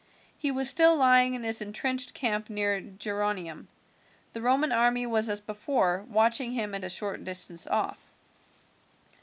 He was still lying in his intrenched camp near Geronium. The Roman army was as before watching him at a short distance off.